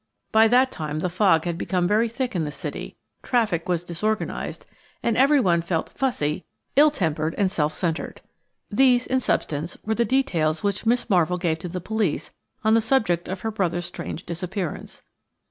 By that time the fog had become very thick in the City; traffic was disorganised, and everyone felt fussy, ill tempered, and self centred. These, in substance, were the details which Miss Marvell gave to the police on the subject of her brother's strange disappearance.